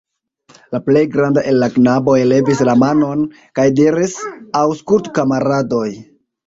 La plej granda el la knaboj levis la manon kaj diris: Aŭskultu, kamaradoj!